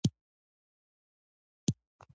د افغانستان په جغرافیه کې ژبې ستر اهمیت لري.